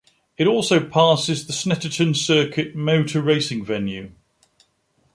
It also passes the Snetterton Circuit motor racing venue.